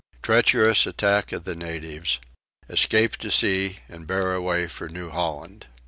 Treacherous Attack of the Natives. Escape to Sea and bear away for New Holland.